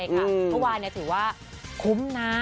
เมื่อวานถือว่าคุ้มนะ